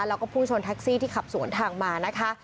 แล้วก็พุ่งชนแท็กซี่ที่ขับสวนทางมานะคะ